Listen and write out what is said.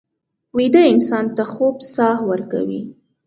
ویده انسان ته خوب ساه ورکوي